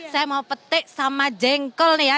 saya mau petik sama jengkol ya